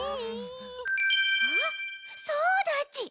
あっそうだち！